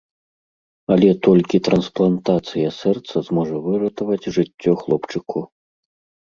Але толькі трансплантацыя сэрца зможа выратаваць жыццё хлопчыку.